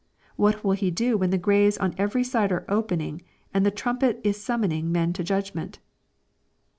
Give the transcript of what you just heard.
— What will he do when the graves on eveiysideare open ing, and the trumpet is suinmoniog men to judgment